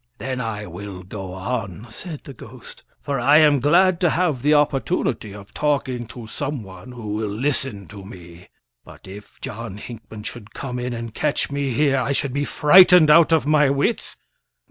"Then I will go on," said the ghost, "for I am glad to have the opportunity of talking to someone who will listen to me; but if John Hinckman should come in and catch me here, I should be frightened out of my wits."